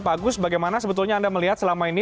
pak agus bagaimana sebetulnya anda melihat selama ini